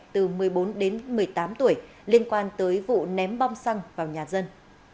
từ một mươi bốn đến một mươi tám tuổi liên quan tới vụ ném bom xăng vào nhà dân